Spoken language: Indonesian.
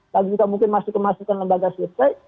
lagi juga mungkin masukan masukan lembaga swiss play